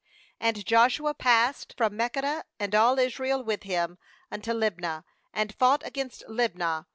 29And Joshua passed from Makke dah, and all Israel with him, unto Libnah, and fought against Libnah.